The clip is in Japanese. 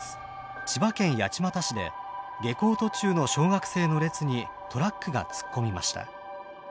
千葉県八街市で下校途中の小学生の列にトラックが突っ込みました。